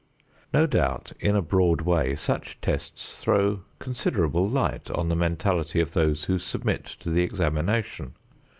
No doubt in a broad way such tests throw considerable light on the mentality of those who submit to the examination.